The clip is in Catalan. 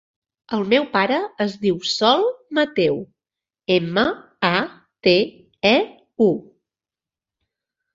El meu pare es diu Sol Mateu: ema, a, te, e, u.